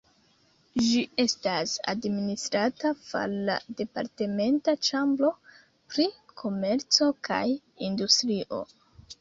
Ĝi estas administrata far la departementa Ĉambro pri komerco kaj industrio.